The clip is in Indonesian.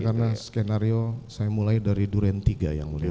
karena skenario saya mulai dari duren tiga yang mulia